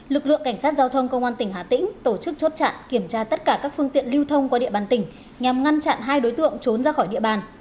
lực lượng cảnh sát giao thông công an tỉnh hà tĩnh tổ chức chốt chặn kiểm tra tất cả các phương tiện lưu thông qua địa bàn tỉnh nhằm ngăn chặn hai đối tượng trốn ra khỏi địa bàn